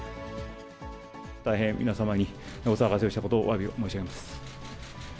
大変皆様にお騒がせしたことをおわび申し上げます。